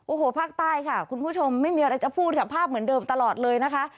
โอ้โหภาคใต้ค่ะคุณผู้ชมไม่มีอะไรจะพูดค่ะภาพเหมือนเดิมตลอดเลยนะคะ